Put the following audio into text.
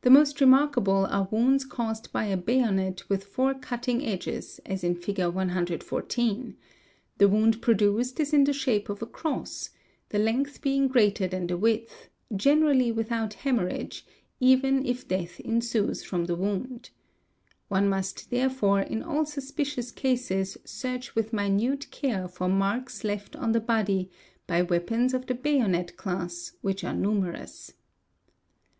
'The most remarkable are wounds caused by a bayonet with four cutting edges, as Fig. 114. in Fig. 114; the wound produced is in the shape of a cross the length being greater than the width, generally without hemorrhage, even if 4 death ensues from the wound. One must therefore in all suspicious f cases search with minute care for marks left on the body by weapons | of the bayonet class, which are numerous.